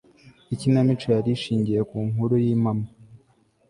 ikinamico yari ishingiye ku nkuru y'impamo